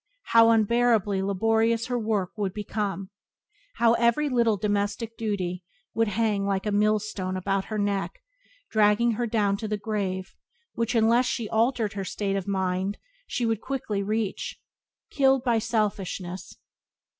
How unbearably laborious her work would become! How every little domestic duty would hang like a millstone about her neck, dragging her down to the grave which, unless she altered her state of mind, she would quickly reach, killed by — selfishness!